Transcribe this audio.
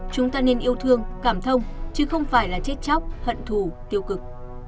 chúng ta nên yêu thương cảm thông chứ không phải là chết chóc hận thù tiêu cực